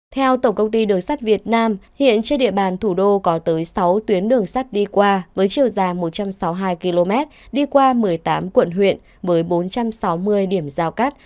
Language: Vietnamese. theo tổng công ty đường sắt việt nam hiện trên địa bàn thủ đô có tới sáu tuyến đường sắt đi qua với chiều dài một trăm sáu mươi hai km đi qua một mươi tám quận huyện với bốn trăm sáu mươi điểm giao cắt